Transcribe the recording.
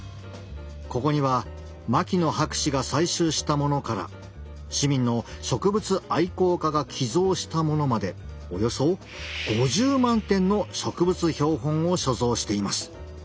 ここには牧野博士が採集したものから市民の植物愛好家が寄贈したものまでおよそ５０万点の植物標本を所蔵しています。